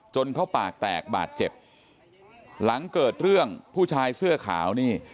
จนเขาปากแตกบาดเจ็บหลังเกิดเรื่องผู้ชายเสื้อขาวนี่